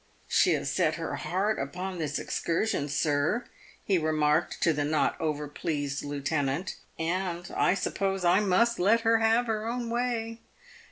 " She has set her heart upon this excursion, sir," he remarked to the not over pleased lieutenant, " and I suppose I must let her have her own way.